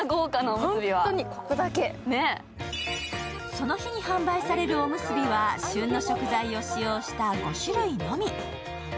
その日に販売されるおむすびは旬の食材を使用した５種類のみ。